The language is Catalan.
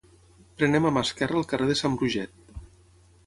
Prenem a mà esquerra el carrer de Sant Bruget